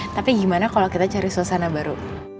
tapi gimana kalau kita cari suasana baru